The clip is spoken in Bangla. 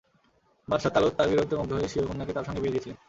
বাদশাহ তালুত তাঁর বীরত্বে মুগ্ধ হয়ে স্বীয় কন্যাকে তাঁর সঙ্গে বিয়ে দিয়েছিলেন।